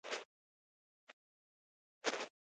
چینایي متل وایي هوښیار په خپله پرېکړه کوي.